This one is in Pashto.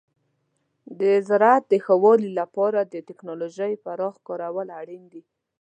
د زراعت د ښه والي لپاره د تکنالوژۍ پراخ کارول اړین دي.